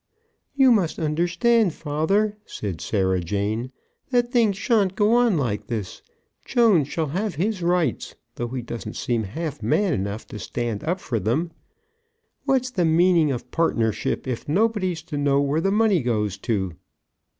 "You must understand, father," said Sarah Jane, "that things shan't go on like this. Jones shall have his rights, though he don't seem half man enough to stand up for them. What's the meaning of partnership, if nobody's to know where the money goes to?"